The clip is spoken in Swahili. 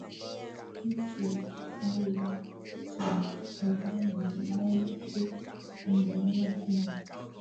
hicho au cha kufanana nacho Tanzania kuna